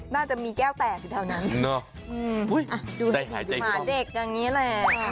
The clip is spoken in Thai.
น่าจะมีแก้วแตกอยู่แถวนั้นอืมอุ้ยดูให้ดิดูหมาเด็กอย่างนี้แหละ